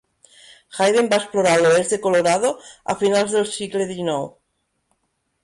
Hayden va explorar l'oest de Colorado a finals del segle XIX.